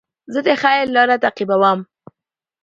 زه د خیر لاره تعقیبوم.